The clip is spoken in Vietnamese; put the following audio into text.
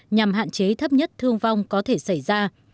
nhằm hạn chế thấp nhất thương vong có thể xảy ra